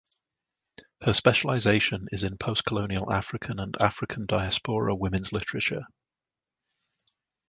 Her specialization is in postcolonial African and African Diaspora women’s literature.